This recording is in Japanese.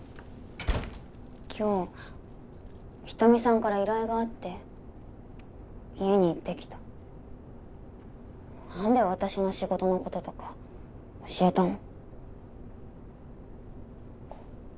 今日ひとみさんから依頼があって家に行ってきた何で私の仕事のこととか教えたの？